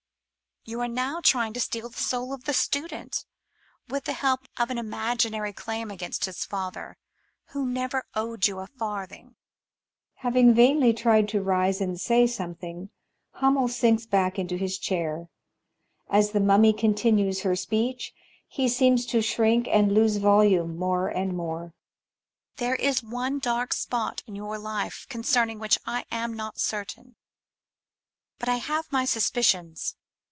You are now trying to steal the soul of the Student with the help of an imaginary claim against his father, who never owed you a farthing Having vainly tried to rise and say something, HummeIj sinks back into his chair; as the Mummy continues her speech he seems to shrink and lose volume more and more, Mxtmmy. There is one dark spot in your life concerning which I am not certain, although I have my suspicions